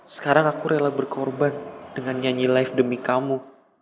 sekarang aku rela berkorban dengan nyanyi live demi kamu